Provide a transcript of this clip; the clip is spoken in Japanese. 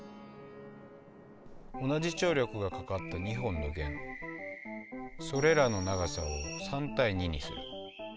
同じ張力がかかった２本の弦それらの長さを３対２にする。